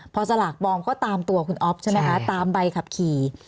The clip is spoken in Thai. พอสลากปลอมก็ตามตัวคุณอ๊อฟใช่ไหมคะตามใบขับขี่